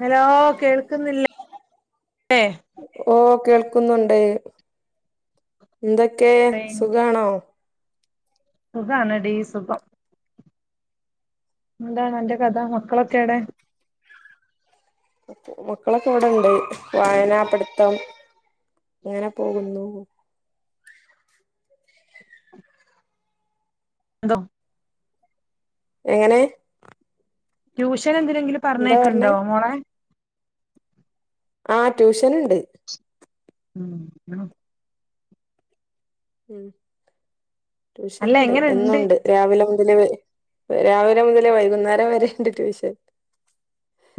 Hello കേൾക്കുന്നില്ല ഓഗ് കേൾക്കുന്നുണ്ട് ന്തൊക്കെ സുഖണോ? സുഖണെടി സുഖം എന്താണ് അന്റെ കഥ മക്കളൊക്കെ എടെ? മക്കളൊക്കെ ഇവിടെണ്ട് വായനാ പടുത്തം അങ്ങനെ പോകുന്നു [unintelligible] എങ്ങനെ? ട്യൂഷൻ എന്തിനെങ്കിലും എന്താ പറഞ്ഞേ പറഞ്ഞയ്ക്ക്ണ്ടോ മോളെ ആഹ് ട്യൂഷന്ണ്ട് മ് മ് ഉം അല്ല ട്യൂഷന്ണ്ട് എങ്ങനെണ്ട് എന്നുണ്ട് രാവിലെ മുതല് രാവിലെ മുതല് വൈകുന്നേരം വരെെയണ്ട് ട്യൂഷൻ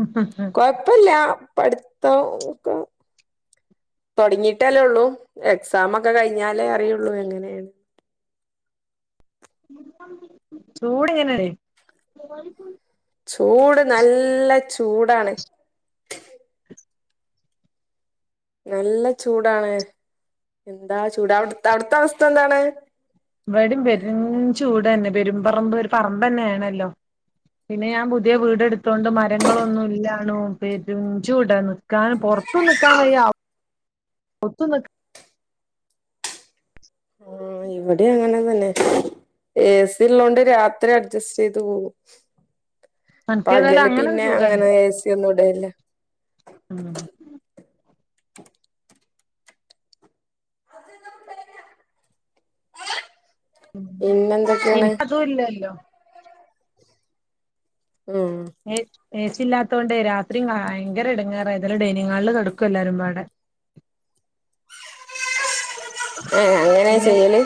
ഉ ഉം ഉ പ്പല്ല പഠിത്തം ഒക്കെ തുടങ്ങിയിട്ടല്ലേ ഉള്ളൂ എക്സാം ഒക്കെ കഴിഞ്ഞാലേ അറിയുള്ളൂ എങ്ങനെയാണ് ചൂടെ എങ്ങനെ ചൂട് നല്ല ചൂടാണ് [inaudible] നല്ല ചൂടാണ് എന്താ ചൂട് അവി അവിടുത്തെ അവസ്ഥ എന്താണ് ഇവിടെയും പെരും ചൂട് തന്നെ പെരുംപറമ്പ് ഒരു പറമ്പ് തന്നെ ആണല്ലോ പിന്നെ ഞാൻ പുതിയ വീട് എടുത്തൊണ്ട് മരങ്ങളൊന്നും ഇല്ലാണോ പെരും ചൂടാ നിക്കാൻ പൊറത്തു നിക്കാൻ വയ്യ അഗത്തും നിക്കാൻ ആഹ് ഇവിടെ അങ്ങനെ തന്നെ എ സി ഉള്ളോണ്ട് രാത്രി അഡ്ജസ്റ്റ് ചെയ്തു പോവും എനിക്കേതായാലും പകല് അങ്ങനെ ഒരു പിന്നെ അങ്ങനെ സുഖണ്ട് എ സി ഒന്നും ഇടലില്ല [inaudible] പിന്നെന്തൊക്കെയാണ് എനിക്ക് അതും ഇല്ലല്ലോ. മ്മ് എ എ സി ഇല്ലാത്തോണ്ട് രാത്രി ഭയങ്കര എടങ്ങേറാ ഏതായാലും ഡെയിനിങ് ഹാളിൽ കിടക്കും എല്ലാരുമ്പാടെ. ഏഹ് അങ്ങനെ പിന്നെ ചെയ്യല്?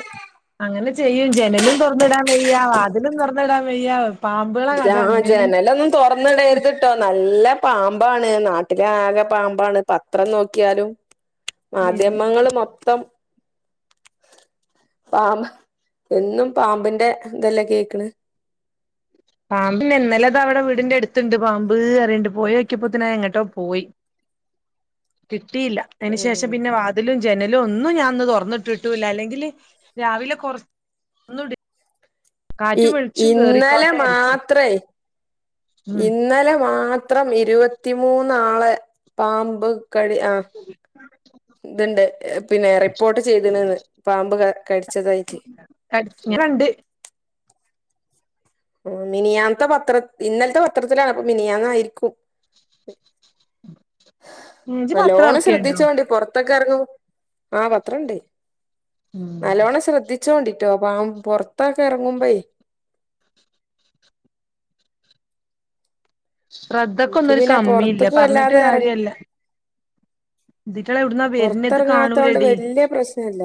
അങ്ങനെ ചെയ്യും ജെനലും തൊർന്ന്ടാൻ വയ്യ വാതിലും തൊർന്ന്ടാൻ വയ്യ. പാമ്പ്കളെ കഥ അങ്ങനിം തൊർന്ന്ഇടരുത്ട്ടോ നല്ല പാമ്പാണ് നാട്ടിലാകെ പാമ്പാണ് പത്രം നോക്കിയാലും മാധ്യമങ്ങള് മൊത്തം പാമ്പ് എന്നും പാമ്പിന്റെ ഇതല്ലേ കേക്ക്ണ് പാമ്പില്ലേ ഇന്നലെതാ അവിടെ വീടിന്റട്ത്ത്ണ്ട് പാമ്പ്അറിണ്ട് പോയോക്കിയപ്പോത്തിന് അത്ങ്ങട്ടോ പോയി. [inaudible] കിട്ടിയില്ല അയ്ന് ശേഷം ഉം പിന്നെ വാ വാതിലും ജനലൊന്നും ഞാൻന്ന് തൊർന്ന്ഇട്ട്ട്ടില്ല അല്ലെങ്കില് രാവിലെ കൊർ ഇ ഇന്നലെ കേറിക്കോട്ടെ വിചാരിച്ച് മാത്രേ ഉം ഇന്നലെ മാത്രം ഇരുവത്തിമൂന്നാളെ പാമ്പ് കടി ആ ത്ണ്ട് ഹ് പിന്നെ റിപ്പോർട്ട് ചെയ്ത്ണ്ന്ന് പാമ്പ് കടിച്ചതായിട്ട് [unintelligible] ഇങ്ങനെണ്ട് മ്മ് മിനിയാന്നത്തെ പത്ര ഇന്നലത്തെ പത്രത്തിലാണ് അപ്പൊ മിനിയാന്നയിരിക്കും. ഹ് ഇജ്ജ് പത്രം നല്ലോണം എറക്കേണ്ടോ ശ്രദ്ധിച്ചോണ്ടി പൊറത്ത് പൊർത്ത്ക്കെർങ്ങും ആഹ് പത്രണ്ട് ഉം നല്ലോണം ശ്രദ്ധി ച്ചോണ്ടിട്ടോ പാം പൊർത്തൊക്കെ ഇറ ങ്ങുമ്പെയ് എനിക്ക് ശ്രദ്ധക്കൊന്നൊരു പിന്നെ കമ്മില്ല പുറത്തേക്ക് പറഞ്ഞിട്ട് വല്ലാതെ ഇറങ്ങ കാര്യല്ല, ഇതിറ്റള് എവിടുന്നാ വരുന്നത് പൊർത്തെർങ്ങാത്തോണ്ട് കാണൂലടി വല്ല്യ പ്രശ്നല്ല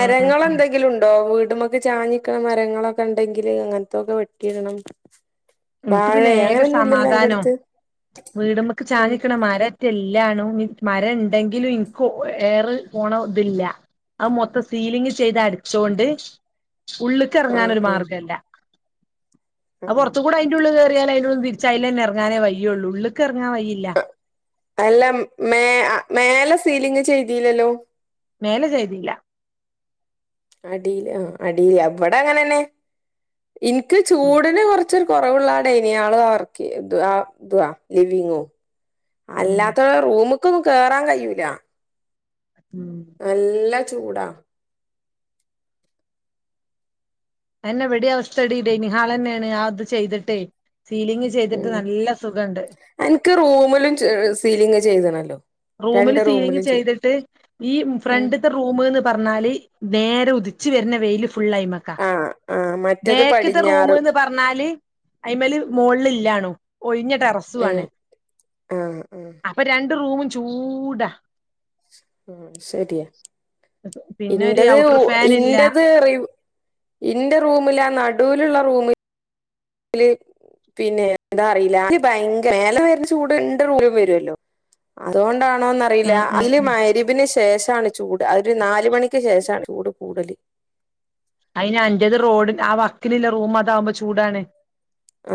ഉം ഉം ഉം വീട്മ്മ് ചാഞ്ഞ്ക്ക്ണ മരങ്ങളൊക്കെണ്ടെങ്കില് അങ്ങൻത്തൊക്കെ വെട്ടിടണം. ഇൻക്ക് പിന്നെ ഏക അന്റെ സമാധാനം അടുത്ത് വീട്മ്മ്ക്ക് ഉം ചാഞ്ഞ്ക്ക്ണ മര റ്റല്ലാണും മരണ്ടെങ്കിലും ഇൻക്ക് ഏറ് പോണതില്ല അമൊത്തം സീലിങ് ചെയ്ത് അട്ച്ചോണ്ട് ആഹ് ഉള്ള്ക്കെർങ്ങാനൊരു ആഹ് മാർഗല്ല. [unintelligible] അയ്ന്റുള്ള്കേറിയാല് അയ്ന്റുള്ള്ന്ന് തിരിച്ചയിലെന്നെർങ്ങാനെ വയ്യൊള്ളു ഉള്ള്ക്കെർങ്ങാന് വയ്യില്ല. അല്ല മേ അ മേല സീലിങ് ചെയ്തീല്ലല്ലോ? മേലെ ചെയ്തില്ല അടീല് ആ അടീല് ഇവടങ്ങനന്നെ ഇൻക് ചൂടിന് കൊർ ർച്ചൊര് കൊറവ്ള്ളാ ഡൈനിആളും ആ വർക്കേ തു ആഹ് തുവാ ലിവിങ്ങും ഉം അല്ലാത്തത് റൂമ്ക്കൊന്നും കേറാം കയ്യൂലാ ഉം നല്ല ചൂടാ അതന്നെ ഇവെടീം അവസ്ഥെടീ ഡൈനിങ്ഹാളെന്നേണ് ആ ത് ചെയ്ത്ട്ടെ സീലിംഗ് ചെയ്തിട്ട് ഉം നല്ല സുഖണ്ട് അൻക്ക് റൂമ്‌ലും ച് സീലിങ്ങ് ചെയ്ത്ണല്ലോ റൂമ്‌ല് സീലിങ്ങ് ചെയ്ത്ട്ട് ഈ ഉം ഫ്രണ്ട് ത്തെ റൂമ്ന്ന് പർഞ്ഞാല് നേരെ ഉദിച്ച് വെര്നെ വെയ്ല് ഫുള്ളയ്മ്മക്കാ ആഹ് ആഹ് മറ്റത് ബേക്ക്‌ത്തെ പടിഞ്ഞാറ് റൂമ്ന്ന് പർഞ്ഞാല് അയ്മല് ഉം മോൾല്‌ല്ലാണും ഒയ്ഞ്ഞ ടെറസു ആണ് ആഹ് ആഹ് അപ്പം രണ്ട് റൂമും ചൂടാ ഉം ശെര്യാ പിന്നെ ഒരു ഇന്റെത് ഉ ഔട്ടർ ഫാൻ ഇല്ല ഇന്റെത് റിവ് ഇന്റെ റൂമിലാ നടൂല്ള്ള റൂമ് ല് പിന്നെ ന്താ അറീല ഭയ്ങ്കെര മേലെ വെര്ണ ചൂട് ഇന്റെ റൂമിലും വരൊല്ലോ അതുകൊണ്ടാണോന്ന ഉം റീലാ ഉം അല് ഉം മയ്രിബിന് ശേഷാണ് ചൂട് അ ഒര് നാല് മണിക്ക് ശേഷാണ് ചൂട് കൂടല് അയ്ന് അന്റത് റോഡ്ന് ആ വക്ക്ല്‌ല്ലെ റൂമതാവുമ്പം ചൂടാണ്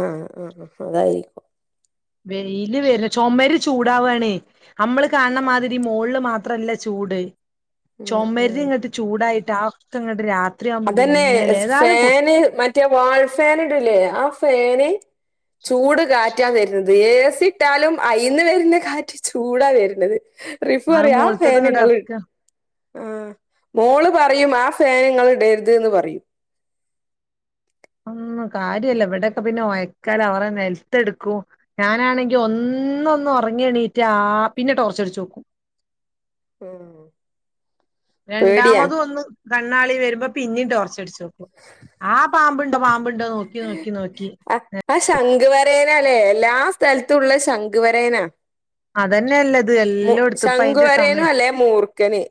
ആഹ് ആഹ് അഹ് അതായിരിക്കും വെയില് വെര് ചൊമെര് ചൂടാവാണേ അമ്മെള് കാണ്‌ണ മാതിരി മോൾല് മാ ത്രല്ല ചൂട് ഉം ഉം ചൊമര് ങ്ങട്ട് ചൂടായ്ട്ട് അതൊക്കെ ങ്ങെട്ട് രാ അതെന്നെ ഫേന് മ റ്റെ വാൾ ഫേൻ ഇട്ല്ലേ ആ ഫേന് ചൂട് കാറ്റാ വെര്ണ്ത് ഏസി ട്ടാലും അയ്ന്ന് വെര്ണെ കാറ്റ് ചൂടാ വെര്ണെത് റിഫു അത് അറിം ആ മോൾത്തത് ഇങ്ങട്ട് ഫേന്ങ്ങള് എറക്ക ആഹ് മോള് പറയും ആ ഫേന് ഇങ്ങെള് ഇടെര്ത്‌ന്ന്‌ പറ്‌യും അതൊന്നും കാര്യല്ല ഇവടെക്കെ പിന്നെ ഒയ്ക്ക്ലാ കൊറേ നെൽത്തട്ക്കും ഞാനാണെങ്കി ഒന്നൊന്ന് ഒർങ്ങി എണീറ്റാ ആഹ് പിന്നെ ടോർച്ചട്ച്ചാേക്കും ആഹ് രണ്ടാമതും ഒന്ന് കണ്ണാളി വര്മ്പം പിന്നിം ടോർച്ചട്ച്ചും ആഹ് പാമ്പ്ണ്ടോ പാമ്പ്ണ്ടോ നോക്കി നോക്കി നോക്കി ആഹ് ആ ശംഖ് വരയനാല്ലേ എല്ലാ സ്ഥൽത്തുംള്ളെ ശംഖ് വരയനാ അതെന്നെല്ലെത് എല്ലാേട്ത്തും ശംഖ് പ്പയ്ന്റെ സമയ വരേനും അല്ലേ മൂർഖന്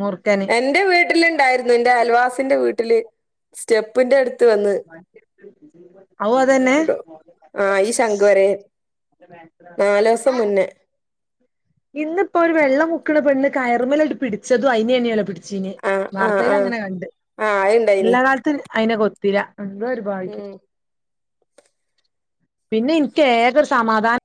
മുർ എന്റെ വീട്ട്ല്ണ്ടായ്‌ര്ന്നു ന്റെ അയൽവാസിന്റെ വീട്ട്ല് സ്റ്റെപ്പിന്റട് [inaudible] അതും അതെന്നെ ട്ടോ ആഹ് ഈ ശംഖ് വരയൻ നാലോസം മുന്നേ ഇന്ന് ഇപ്പോ ഒര് വെള്ളം മുക്ക്ണ പെണ്ണ് കയറ്മലട്ട് പിടിച്ചതും അയ്നേന്യോലോ പിടി ച്ചീന്യേ ആഹ് ആഹ് ആഹ് വാർത്തേലങ്ങെനെ കണ്ട് ആഹ് ല്ല അത്ണ്ടായിനി കാൽത്ത്ന് അയ്നെ കൊത്തീലാ എന്തോ ഒര് ഭാഗ്യം ഉം പിന്നെ ഇൻക്ക് ഏകെ ഒര് സമാധാൻ